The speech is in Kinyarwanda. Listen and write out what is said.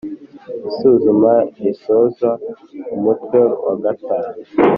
Isuzuma risoza umutwe wa gatanu